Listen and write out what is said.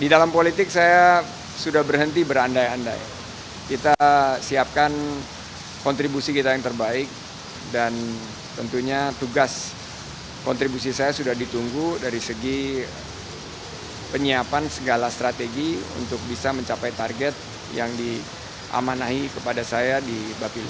di dalam politik saya sudah berhenti berandai andai kita siapkan kontribusi kita yang terbaik dan tentunya tugas kontribusi saya sudah ditunggu dari segi penyiapan segala strategi untuk bisa mencapai target yang diamanahi kepada saya di bapilu